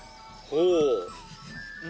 ほう！